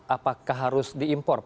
apakah harus diimpor